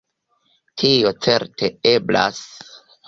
Tio certe eblas.